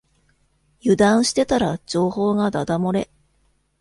油断してたら情報がだだ漏れ